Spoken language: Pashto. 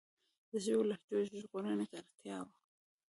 د ژبې او لهجو ژغورنې ته اړتیا وه.